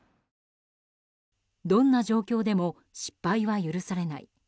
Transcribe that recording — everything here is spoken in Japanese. どんな状況でも失敗は許されない。